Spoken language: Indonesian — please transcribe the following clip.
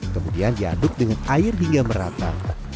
kemudian diaduk dengan air hingga merata